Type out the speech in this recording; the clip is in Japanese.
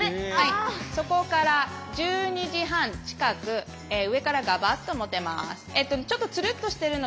そこから１２時半近く上からガバッと持てます。